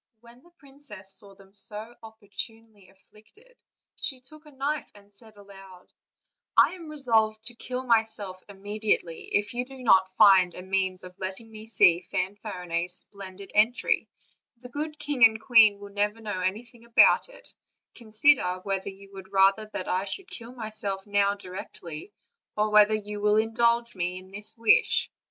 When the princess saw them so opportunely afflicted she took a knife and said aloud: "I am resolved to kill myself immediately, if you do not find a means of letting me see Fanfarinet's splendid entry; the good king and queen will never know anything about it; consider whether you would rather that I should kill myself now directly, or whether you will indulge me in this wish."